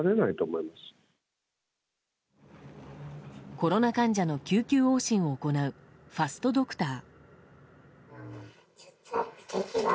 コロナ患者の救急往診を行うファストドクター。